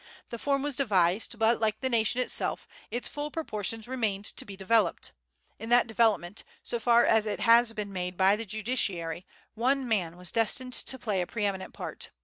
The form was devised, but, like the nation itself, its full proportions remained to be developed. In that development, so far as it has been made by the judiciary, one man was destined to play a pre eminent part.